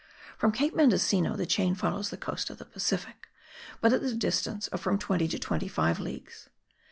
From Cape Mendocino the chain follows the coast of the Pacific, but at the distance of from twenty to twenty five leagues.